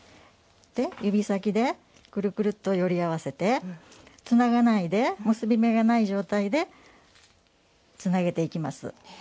指先でくるくるっとより合わせてつながないで結び目がない状態でつなげていきます。